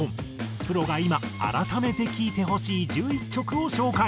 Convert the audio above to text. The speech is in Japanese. プロが今改めて聴いてほしい１１曲を紹介。